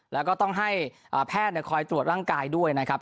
แล้วก็ต้องให้แพทย์คอยตรวจร่างกายด้วยนะครับ